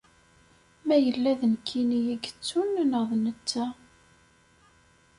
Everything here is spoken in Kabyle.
Ma yella d nekkini i yettun neɣ d netta.